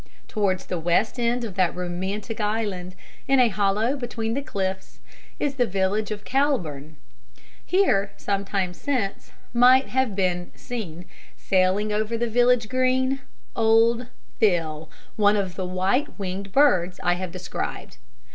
Towards the west end of that romantic island, in a hollow between the cliffs, is the village of Calbourne. Here, some time since, might have been seen, sailing over the village green, Old Phil, one of the white winged birds I have described.